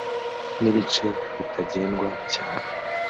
n’ ibice bitagendwa cyane